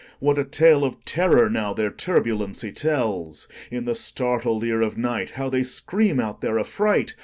What a tale of terror, now, their turbulency tells! In the startled ear of nightHow they scream out their affright!